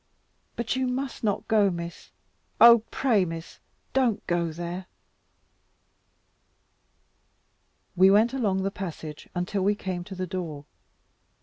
But you must not go, Miss, oh pray, Miss, don't go there!" We went along the passage, until we came to the door.